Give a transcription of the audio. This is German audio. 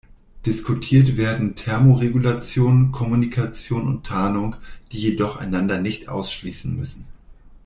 Diskutiert werden Thermoregulation, Kommunikation und Tarnung, die jedoch einander nicht ausschließen müssen.